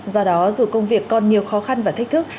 do đó dù công việc còn nhiều khó khăn và thách thức